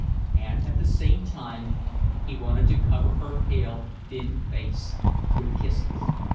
And at the same time he wanted to cover her pale, thin face with kisses.